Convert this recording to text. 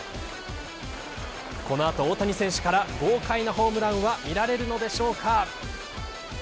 この後、大谷選手から豪快なホームランは見られるのでしょうか。